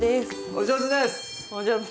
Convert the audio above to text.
お上手です。